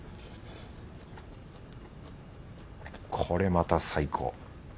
これまた最高。